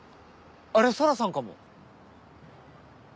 あれ空さんかも。